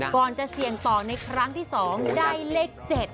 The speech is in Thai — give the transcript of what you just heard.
ก่อนจะเสี่ยงต่อในครั้งที่๒ได้เลข๗